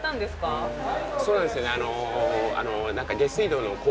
あそうなんですね。